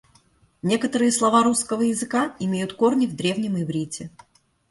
Некоторые слова русского языка имеют корни в древнем иврите.